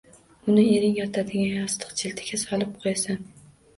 Uni ering yotadigan yostiq jildiga solib qo`yasan